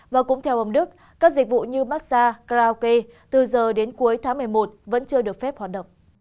và cũng theo ông đức các dịch vụ như massage karaoke từ giờ đến cuối tháng một mươi một vẫn chưa được phép hoạt động